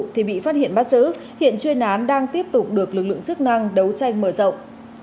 thì bị phát hiện bắt giữ hiện chuyên án đang tiếp tục được lực lượng chức năng đấu tranh mở rộng